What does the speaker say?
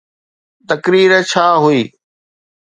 تقرير ڇا هئي؟